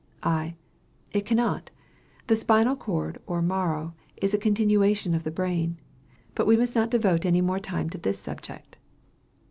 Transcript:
I. It cannot. The spinal cord or marrow is a continuation of the brain. But we must not devote any more time to this subject.